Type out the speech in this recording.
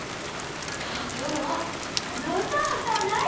じゃあきょうはあのうたをうたわない？